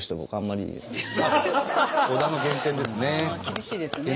厳しいですね。